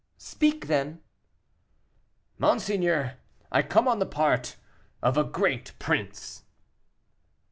"Speak, then." "Monseigneur, I come on the part of a great prince."